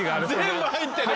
全部入ってるんだ。